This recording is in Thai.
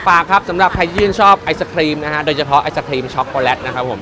ฝากครับสำหรับใครชื่นชอบไอศครีมนะฮะโดยเฉพาะไอศครีมช็อกโกแลตนะครับผม